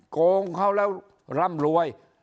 โกงเขาแล้วร่ำรวย